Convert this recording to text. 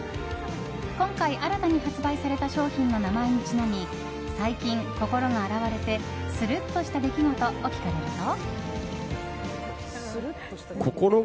今回、新たに発売された商品の名前にちなみ最近、心が洗われてするっとした出来事を聞かれると。